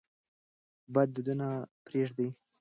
بد دودونه پرېږدئ.